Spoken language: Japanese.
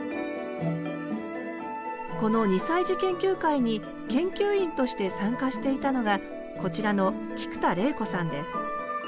この２歳児研究会に研究員として参加していたのがこちらの菊田怜子さんです